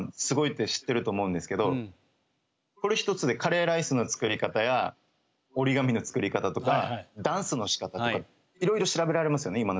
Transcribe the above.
すごいって知ってると思うんですけどこれ一つでカレーライスの作り方や折り紙の作り方とかダンスのしかたとかいろいろ調べられますよね